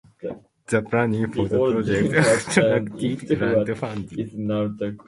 The planning for the project attracted grant funding.